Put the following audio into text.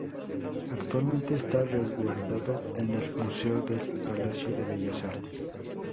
Actualmente está resguardado en el Museo del Palacio de Bellas Artes.